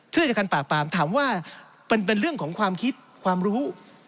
ช่วยกันปราบปรามถามว่าเป็นเรื่องของความคิดความรู้